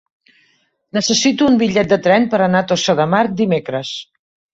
Necessito un bitllet de tren per anar a Tossa de Mar dimecres.